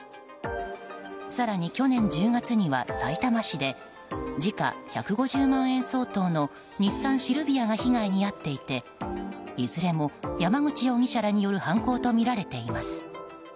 更に、去年１０月にはさいたま市で時価１５０万円相当の日産シルビアが被害に遭っていていずれも山口容疑者らによる犯行とみられています。